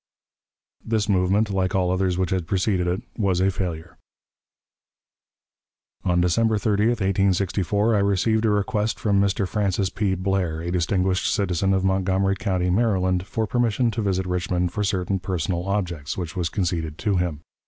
This movement, like all others which had preceded it, was a failure. On December 30, 1864, I received a request from Mr. Francis P. Blair, a distinguished citizen of Montgomery County, Maryland, for permission to visit Richmond for certain personal objects, which was conceded to him.